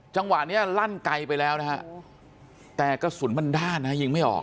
จังหวะนี้ลั่นไกลไปแล้วนะฮะแต่กระสุนมันด้านนะยิงไม่ออก